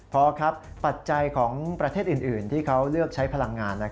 พอครับปัจจัยของประเทศอื่นที่เขาเลือกใช้พลังงาน